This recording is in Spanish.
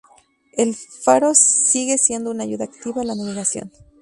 El Faro sigue siendo una ayuda activa a la navegación.